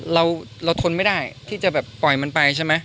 เราทนไม่ได้ที่จะแบบปล่อยมันไปใช่ไหม